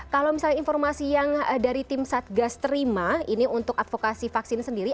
kalau misalnya informasi yang dari tim satgas terima ini untuk advokasi vaksin sendiri